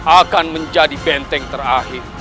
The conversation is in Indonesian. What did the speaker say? akan menjadi benteng terakhir